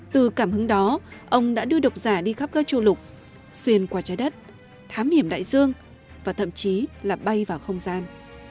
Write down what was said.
từ cảm hứng đó ông đã đưa độc giả đi khắp các châu lục xuyên qua trái đất thám hiểm đại dương và thậm chí là bay vào không gian